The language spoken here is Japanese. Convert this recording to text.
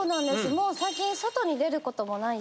もう最近外に出ることもないし